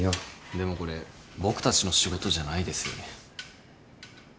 でもこれ僕たちの仕事じゃないですよね。